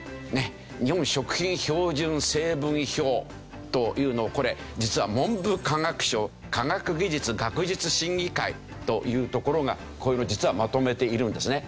日本食品標準成分表というのをこれ実は文部科学省科学技術・学術審議会というところがこういうの実はまとめているんですね。